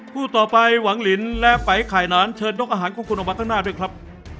คู่ต่อไปหวังลินและไฟไข่นานเชิญนกอาหารของคุณออกมาข้างหน้าด้วยครับ